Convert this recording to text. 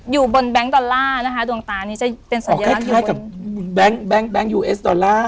อยู่บนแบงก์ดอลลาร์นะคะดวงตานี้จะเป็นสัญลักษณ์อ๋อคล้ายคล้ายกับแบงก์แบงก์แบงก์ยูเอสดอลลาร์